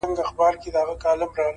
• خلك ستړي جگړه خلاصه كراري سوه ,